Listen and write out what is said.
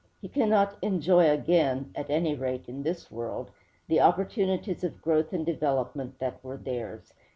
He cannot enjoy again at any rate in this world the opportunities of growth and development that were theirs.